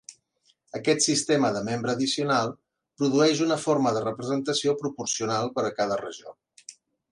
Aquest sistema de membre addicional produeix una forma de representació proporcional per a cada regió.